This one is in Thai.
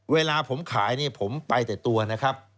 เวลาผมขายนี่ผมไปแต่ตัวนะครับ